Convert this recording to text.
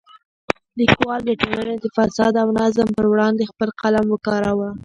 لیکوال د ټولنې د فساد او ظلم پر وړاندې خپل قلم وکاراوه.